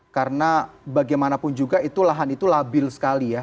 karena bagaimanapun juga itu lahan itu labil sekali ya